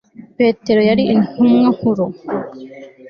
petero yari untumwa nkuru